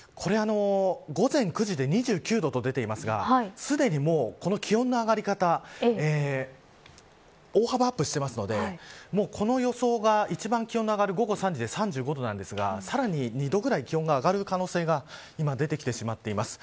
午前９時で２９度と出ていますがすでにもうこの気温の上がり方大幅アップしていますのでこの予想が一番気温が上がる午後３時で３５度ですがさらに２度くらい気温が上がる可能性が出てきてしまっています。